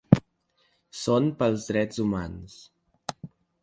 Són pels drets humans.